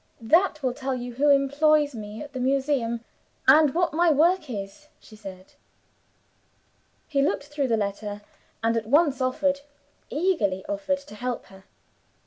"That will tell you who employs me at the Museum, and what my work is," she said. He looked through the letter, and at once offered eagerly offered to help her.